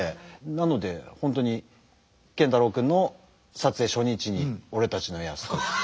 なので本当に健太郎君の撮影初日に「俺たちの泰時」っていう。